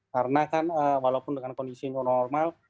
karena kan walaupun dengan kondisi itu normal